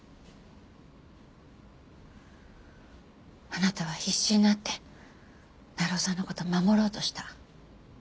あなたは必死になって鳴尾さんの事守ろうとした。